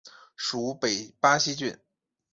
属北巴西郡。